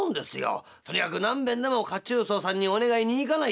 とにかく何べんでも褐虫藻さんにお願いに行かないと」。